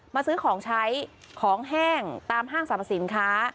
มาซื้อของใช้ของแห้งตามห้างสรรพสินค้า